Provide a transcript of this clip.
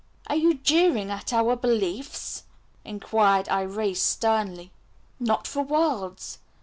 "Are you jeering at our beliefs?" inquired Irais sternly. "Not for worlds.